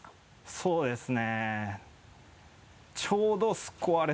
そうですね。